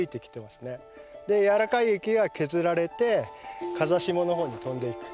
でやわらかい雪が削られて風下の方に飛んでいく。